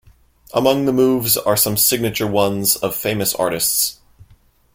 Among the moves are some signature ones of famous artists.